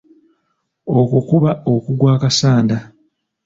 Okwo kuba okugwa akasanda.